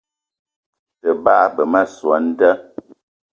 Te bagbe ma soo an da